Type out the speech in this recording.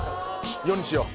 ４にしよう。